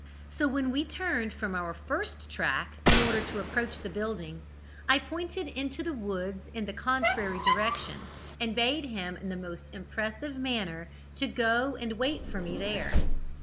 So when we turned from our first track in order to approach the building, I pointed into the woods in the contrary direction, and bade him in the most impressive manner to go and wait for me there.